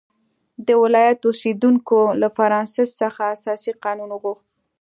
د ولایت اوسېدونکو له فرانسیس څخه اساسي قانون وغوښت.